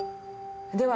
では